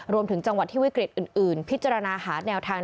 รวมถึงจังหวัดที่วิกฤตอื่นพิจารณาหาแนวทาง